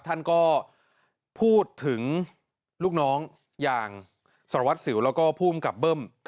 ท่านก็พูดถึงลูกน้องอย่างสารวัตรสิวแล้วก็ภูมิกับเบิ้ม